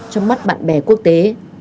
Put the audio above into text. trong mắt bạn bè quốc tế